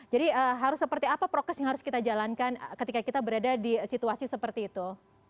jadi harus seperti apa progres yang harus kita jalankan ketika kita berada di situasi seperti itu